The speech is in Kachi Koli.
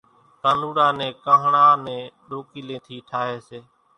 ڪانوڙا نين ڪانۿڙا نين ڏوڪيلين ٿي ٺاھي سي